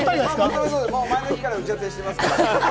前の日から打ち合わせしてますから。